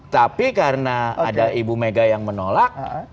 tapi karena ada ibu mega yang menolak